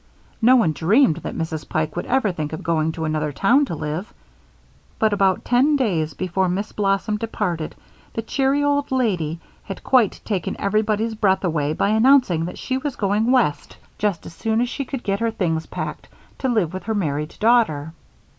No one dreamed that Mrs. Pike would ever think of going to another town to live; but about ten days before Miss Blossom departed, the cheery old lady had quite taken everybody's breath away by announcing that she was going west, just as soon as she could get her things packed, to live with her married daughter.